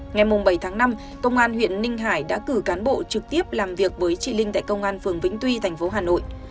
ngày bảy tháng năm công an huyện ninh hải đã cử cán bộ trực tiếp làm việc với chị linh tại công an phường vĩnh tuy thành phố hà nội